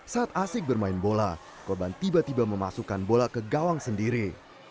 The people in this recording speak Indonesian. saat asik bermain bola korban tiba tiba memasukkan bola ke gawang sendiri